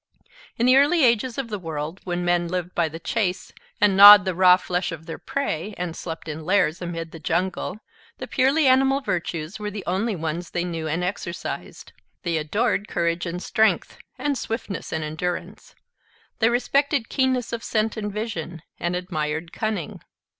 In the early ages of the world, when men lived by the chase, and gnawed the raw flesh of their prey, and slept in lairs amid the jungle, the purely animal virtues were the only ones they knew and exercised. They adored courage and strength, and swiftness and endurance. They respected keenness of scent and vision, and admired cunning.